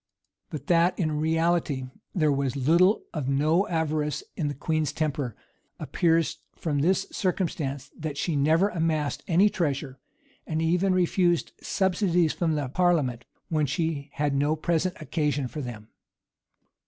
But that in reality there was little of no avarice in the queen's temper, appears from this circumstance, that she never amassed any treasure; and even refused subsidies from the parliament when she had no present occasion for them.